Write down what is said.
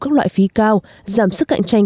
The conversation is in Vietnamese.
các loại phí cao giảm sức cạnh tranh